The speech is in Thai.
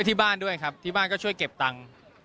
ที่บ้านด้วยครับที่บ้านก็ช่วยเก็บตังค์